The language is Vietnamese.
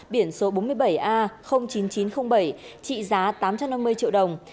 biển số bốn mươi bảy a chín nghìn chín trăm linh bảy trị giá tám trăm năm mươi triệu đồng